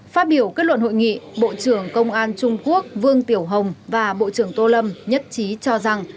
phát biểu kết luận hội nghị bộ trưởng công an trung quốc vương tiểu hồng và bộ trưởng tô lâm nhất trí cho rằng